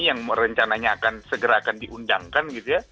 yang rencananya akan segera diundangkan